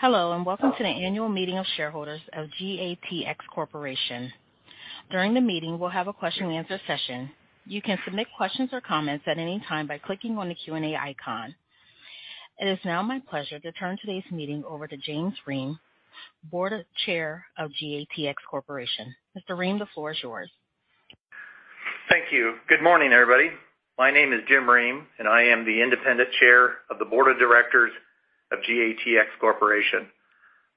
Hello and welcome to the annual meeting of shareholders of GATX Corporation. During the meeting, we'll have a question and answer session. You can submit questions or comments at any time by clicking on the Q&A icon. It is now my pleasure to turn today's meeting over to James Ream, Board Chair of GATX Corporation. Mr. Ream, the floor is yours. Thank you. Good morning, everybody. My name is Jim Ream, and I am the Independent Chair of the Board of Directors of GATX Corporation.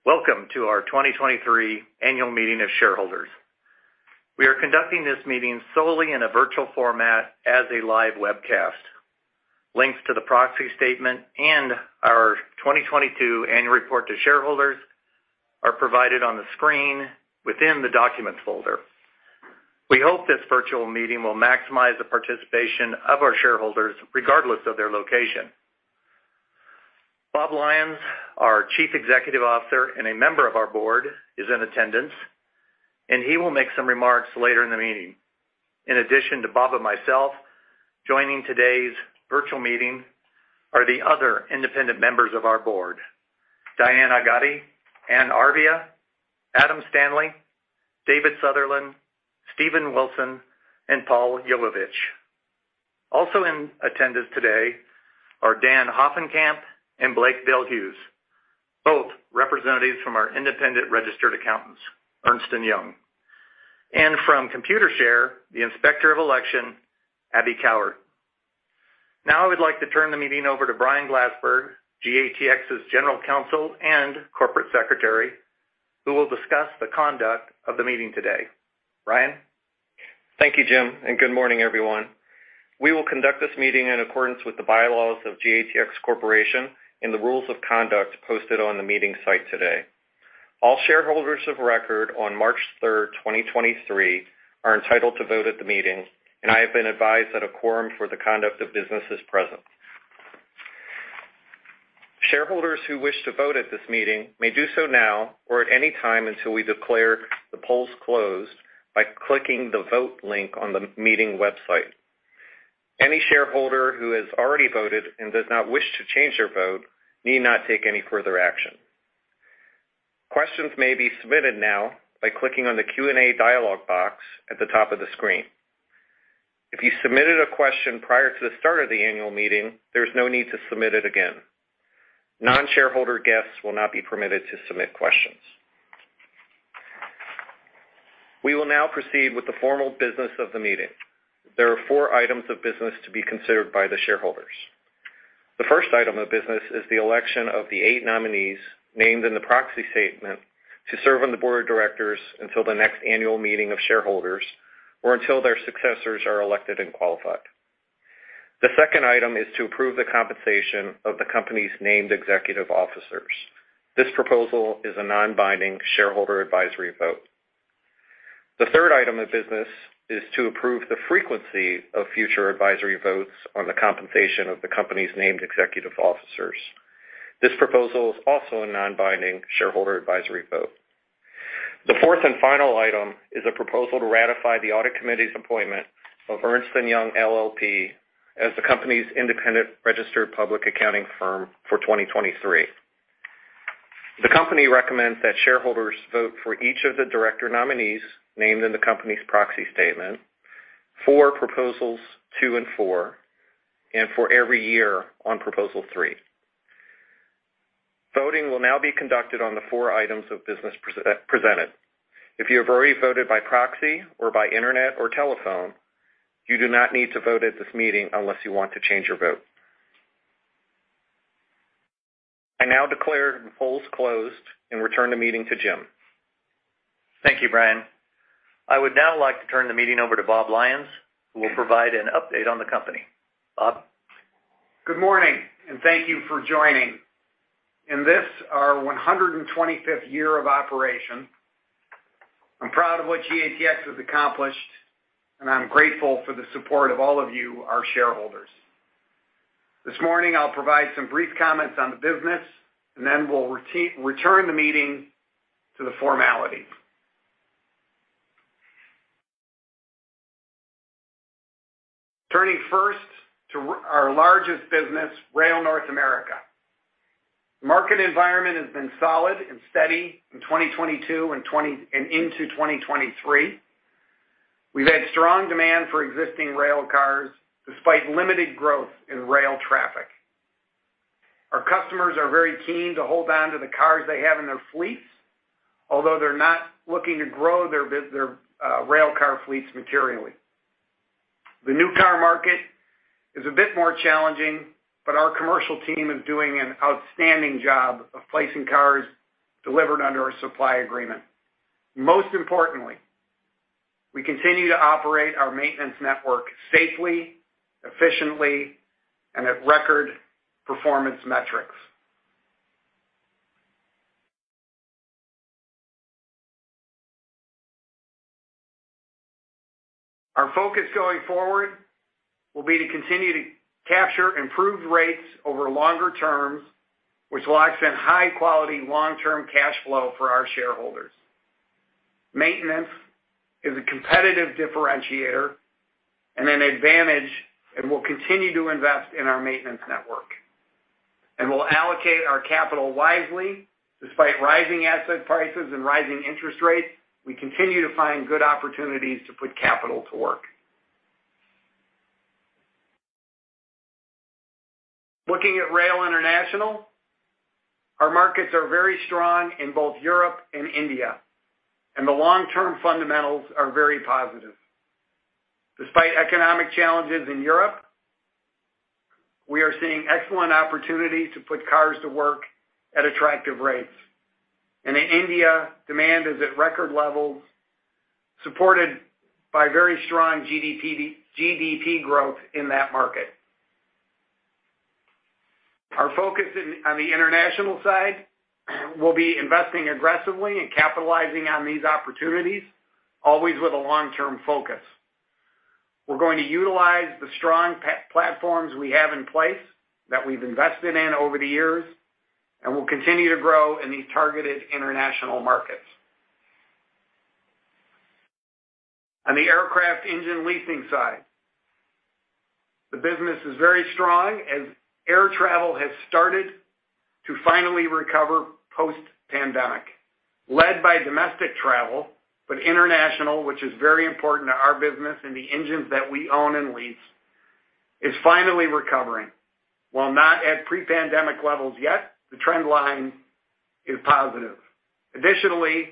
Welcome to our 2023 Annual Meeting of Shareholders. We are conducting this meeting solely in a virtual format as a live webcast. Links to the proxy statement and our 2022 Annual Report to Shareholders are provided on the screen within the documents folder. We hope this virtual meeting will maximize the participation of our shareholders regardless of their location. Bob Lyons, our Chief Executive Officer and a member of our board, is in attendance, and he will make some remarks later in the meeting. In addition to Bob and myself, joining today's virtual meeting are the other independent members of our board, Diane Agati, Anne Arvia, Adam Stanley, David Sutherland, Stephen Wilson, and Paul Yovovich. Also in attendance today are Dan Hoffenkamp and Blake Bell-Hughes, both representatives from our independent registered accountants, Ernst & Young. From Computershare, the Inspector of Elections, Abby Coward. Now, I would like to turn the meeting over to Brian Glassberg, GATX's General Counsel and Corporate Secretary, who will discuss the conduct of the meeting today. Brian? Thank you Jim, and good morning everyone. We will conduct this meeting in accordance with the bylaws of GATX Corporation and the rules of conduct posted on the meeting site today. All shareholders of record on March 3rd, 2023 are entitled to vote at the meeting, and I have been advised that a quorum for the conduct of business is present. Shareholders who wish to vote at this meeting may do so now or at any time until we declare the polls closed by clicking the Vote link on the meeting website. Any shareholder who has already voted and does not wish to change their vote need not take any further action. Questions may be submitted now by clicking on the Q&A dialog box at the top of the screen. If you submitted a question prior to the start of the annual meeting, there's no need to submit it again. Non-shareholder guests will not be permitted to submit questions. We will now proceed with the formal business of the meeting. There are four items of business to be considered by the shareholders. The first item of business is the election of the eight nominees named in the proxy statement to serve on the board of directors until the next annual meeting of shareholders or until their successors are elected and qualified. The second item is to approve the compensation of the company's named executive officers. This proposal is a non-binding shareholder advisory vote. The third item of business is to approve the frequency of future advisory votes on the compensation of the company's named executive officers. This proposal is also a non-binding shareholder advisory vote. The fourth and final item is a proposal to ratify the Audit Committee's appointment of Ernst & Young LLP as the company's independent registered public accounting firm for 2023. The company recommends that shareholders vote for each of the director nominees named in the company's proxy statement for Proposals two and four and for every year on Proposal three. Voting will now be conducted on the four items of business presented. If you have already voted by proxy or by internet or telephone, you do not need to vote at this meeting unless you want to change your vote. I now declare the polls closed and return the meeting to Jim. Thank you Brian. I would now like to turn the meeting over to Bob Lyons, who will provide an update on the company. Bob? Good morning, and thank you for joining. In this, our 125th year of operation, I'm proud of what GATX has accomplished, and I'm grateful for the support of all of you, our shareholders. This morning, I'll provide some brief comments on the business, and then we'll return the meeting to the formalities. Turning first to our largest business, Rail North America. Market environment has been solid and steady in 2022 and into 2023. We've had strong demand for existing rail cars despite limited growth in rail traffic. Our customers are very keen to hold on to the cars they have in their fleets, although they're not looking to grow their rail car fleets materially. The new car market is a bit more challenging. Our commercial team is doing an outstanding job of placing cars delivered under a supply agreement. Most importantly, we continue to operate our maintenance network safely, efficiently, and at record performance metrics. Our focus going forward will be to continue to capture improved rates over longer terms, which will accent high quality, long-term cash flow for our shareholders. Maintenance is a competitive differentiator and an advantage. We'll continue to invest in our maintenance network. We'll allocate our capital wisely. Despite rising asset prices and rising interest rates, we continue to find good opportunities to put capital to work. Looking at Rail International, our markets are very strong in both Europe and India. The long-term fundamentals are very positive. Despite economic challenges in Europe, we are seeing excellent opportunities to put cars to work at attractive rates. In India, demand is at record levels, supported by very strong GDP growth in that market. Our focus on the international side will be investing aggressively and capitalizing on these opportunities, always with a long-term focus. We're going to utilize the strong platforms we have in place that we've invested in over the years, and we'll continue to grow in these targeted international markets. On the aircraft engine leasing side, the business is very strong as air travel has started to finally recover post-pandemic, led by domestic travel, but international, which is very important to our business and the engines that we own and lease, is finally recovering. While not at pre-pandemic levels yet, the trend line is positive. Additionally,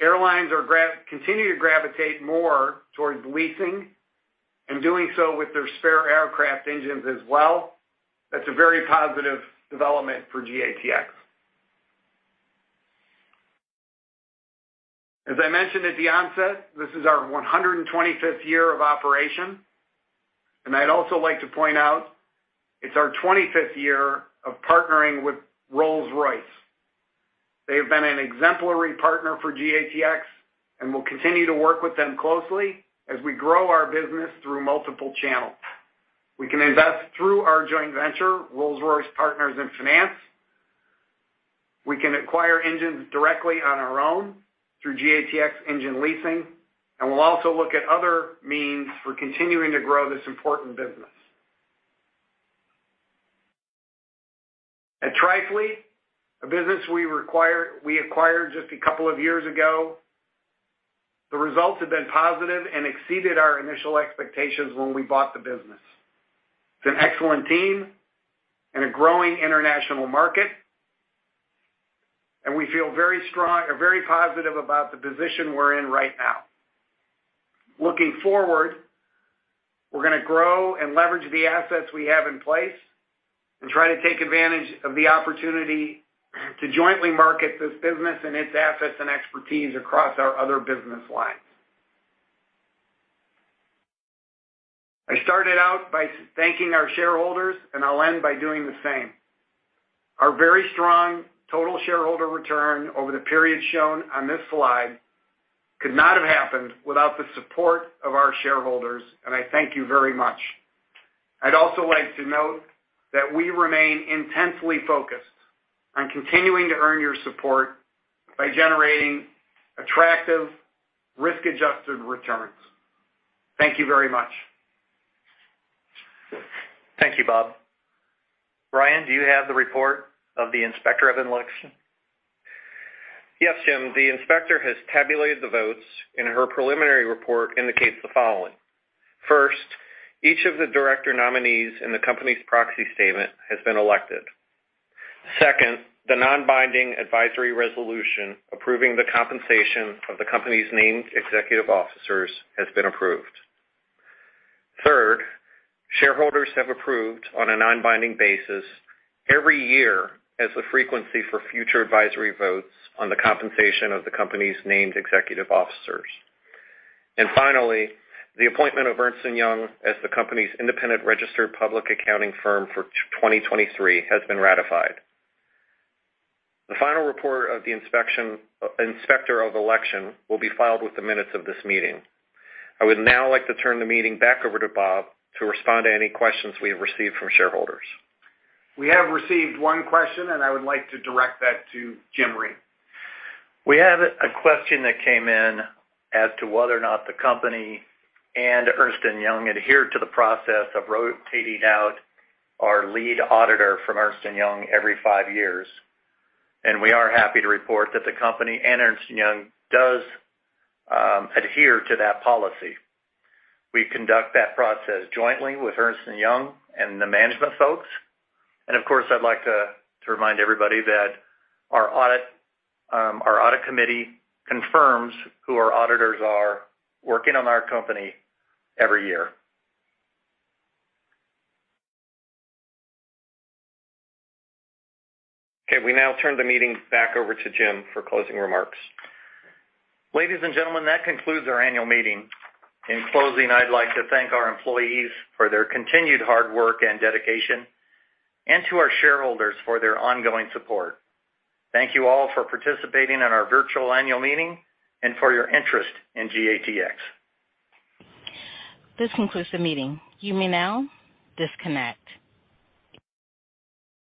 airlines continue to gravitate more towards leasing and doing so with their spare aircraft engines as well. That's a very positive development for GATX. As I mentioned at the onset, this is our 125th year of operation, I'd also like to point out it's our 25th year of partnering with Rolls-Royce. They have been an exemplary partner for GATX. We'll continue to work with them closely as we grow our business through multiple channels. We can invest through our joint venture, Rolls-Royce & Partners Finance. We can acquire engines directly on our own through GATX Engine Leasing. We'll also look at other means for continuing to grow this important business. At Trifleet, a business we acquired just a couple of years ago, the results have been positive and exceeded our initial expectations when we bought the business. It's an excellent team in a growing international market. We feel very strong or very positive about the position we're in right now. Looking forward, we're gonna grow and leverage the assets we have in place and try to take advantage of the opportunity to jointly market this business and its assets and expertise across our other business lines. I started out by thanking our shareholders. I'll end by doing the same. Our very strong total shareholder return over the period shown on this slide could not have happened without the support of our shareholders, and I thank you very much. I'd also like to note that we remain intensely focused on continuing to earn your support by generating attractive risk-adjusted returns. Thank you very much. Thank you Bob. Brian, do you have the report of the Inspector of Election? Yes Jim. The inspector has tabulated the votes, and her preliminary report indicates the following. First, each of the director nominees in the company's proxy statement has been elected. Second, the non-binding advisory resolution approving the compensation of the company's named executive officers has been approved. Third, shareholders have approved on a non-binding basis every year as the frequency for future advisory votes on the compensation of the company's named executive officers. Finally, the appointment of Ernst & Young as the company's independent registered public accounting firm for 2023 has been ratified. The final report of the Inspector of Elections will be filed with the minutes of this meeting. I would now like to turn the meeting back over to Bob to respond to any questions we have received from shareholders. We have received one question, and I would like to direct that to Jim Ream. We have a question that came in as to whether or not the company and Ernst & Young adhere to the process of rotating out our lead auditor from Ernst & Young every five years. We are happy to report that the company and Ernst & Young does adhere to that policy. We conduct that process jointly with Ernst & Young and the management folks. Of course, I'd like to remind everybody that our audit, our Audit Committee confirms who our auditors are working on our company every year. We now turn the meeting back over to Jim for closing remarks. Ladies and gentlemen, that concludes our annual meeting. In closing, I'd like to thank our employees for their continued hard work and dedication, and to our shareholders for their ongoing support. Thank you all for participating in our virtual annual meeting and for your interest in GATX. This concludes the meeting. You may now disconnect.